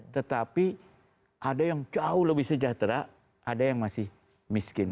tetapi ada yang jauh lebih sejahtera ada yang masih miskin